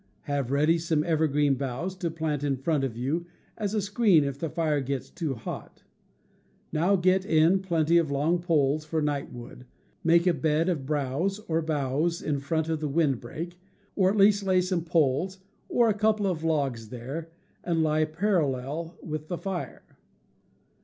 Have ready some evergreen boughs to plant in front of you as a screen if the fire gets too hot. Now get in plenty of long poles for night wood, make a bed of browse or boughs in front of the wind break, or at least lay some poles or a coupfe of logs there, and lie parallel with the fire.